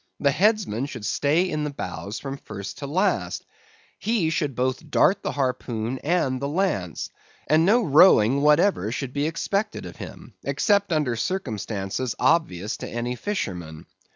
The headsman should stay in the bows from first to last; he should both dart the harpoon and the lance, and no rowing whatever should be expected of him, except under circumstances obvious to any fisherman.